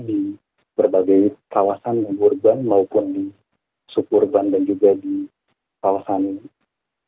di berbagai kawasan hurban maupun di sub hurban dan juga di kawasan berbagai kawasan ya mas